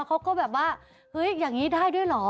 เขาก็แบบว่าเฮ้ยอย่างนี้ได้ด้วยเหรอ